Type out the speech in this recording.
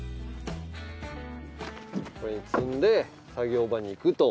それ積んで作業場に行くと。